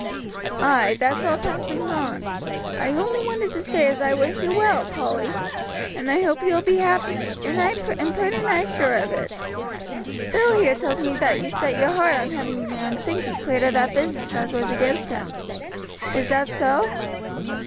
"Ay, that's all past and gone. I only wanted to say as I wish you well, Polly, and I hope you will be happy, and I am pretty nigh sure of it. Bill here tells me that you set your heart on having young Sankey cleared of that business as was against him. Is that so?"